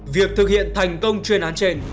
việc thực hiện thành công chuyên án trên